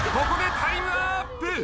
ここでタイムアップ。